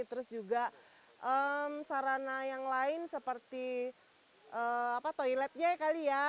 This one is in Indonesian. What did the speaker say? terus juga sarana yang lain seperti toiletnya ya kali ya